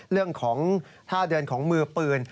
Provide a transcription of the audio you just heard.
เรื่องของท่าเดินของมือปืน